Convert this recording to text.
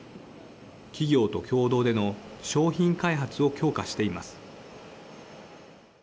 企業と共同での商品開発を強化しています。